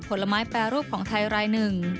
ผลไม้แปรรูปของไทยรายหนึ่ง